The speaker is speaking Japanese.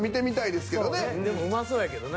でもうまそうやけどね。